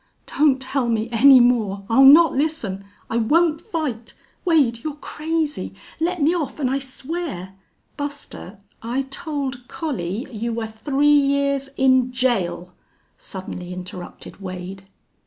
"Don't tell me any more! I'll not listen!... I won't fight! Wade, you're crazy! Let me off an' I swear " "Buster, I told Collie you were three years in jail!" suddenly interrupted Wade.